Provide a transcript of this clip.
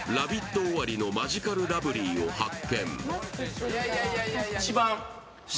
終わりのマヂカルラブリーを発見。